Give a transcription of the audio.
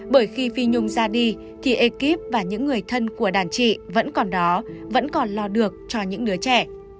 bởi khi phi nhung ra đi thì ekip và những người thân của đàn trị vẫn còn đó vẫn còn lo được cho những đứa trẻ